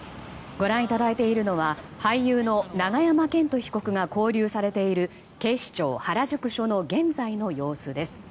ご覧いただいているのは俳優の永山絢斗被告が勾留されている警視庁原宿署の現在の様子です。